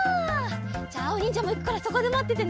じゃああおにんじゃもいくからそこでまっててね。